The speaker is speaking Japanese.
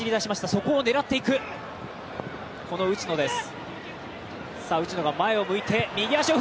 そこを狙っていく、内野です。